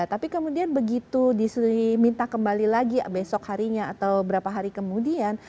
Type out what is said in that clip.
tapi kemudian begitu disuruh minta kembali lagi besok harinya atau beberapa hari kemudian